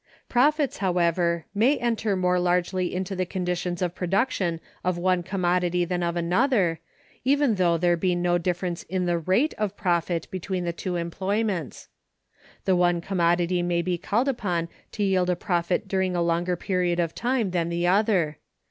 Profits, however, may enter more largely into the conditions of production of one commodity than of another, even though there be no difference in the rate of profit between the two employments. The one commodity may be called upon to yield a profit during a longer period of time than the other.